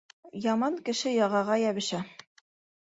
Яман кеше яғаға йәбешә.